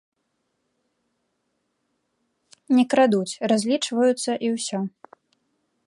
Не крадуць, разлічваюцца, і ўсё.